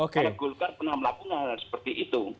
karena golkar pernah melakukan hal hal seperti itu